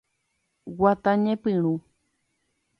Guata ñepyrũ.